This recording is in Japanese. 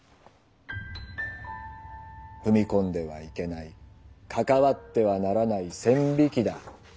踏み込んではいけない関わってはならない線引きだ。